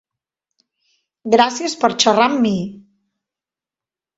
Gràcies per xerrar amb mi.